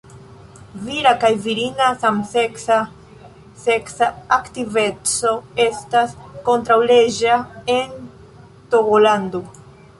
Vira kaj virina samseksa seksa aktiveco estas kontraŭleĝa en Togolando.